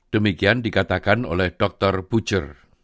demikian dikatakan oleh dr pucur